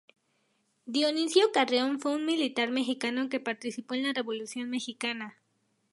Dionisio Carreón fue un militar mexicano que participó en la Revolución mexicana.